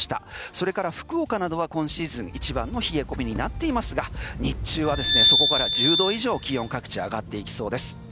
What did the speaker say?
それから福岡などは今シーズン一番の冷え込みになっていますが日中はそこから１０度以上気温各地上がっていきそうです。